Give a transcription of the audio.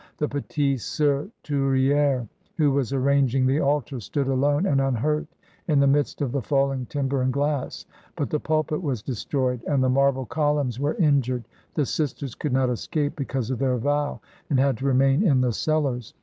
The petite s(Bur iourilre^ who was arranging the altar, stood alone and unhurt in the midst of the falling timber and glass, but the pulpit was destroyed, and the marble columns were injured, the sisters could not escape because of their vow, and had to remain in the cellars.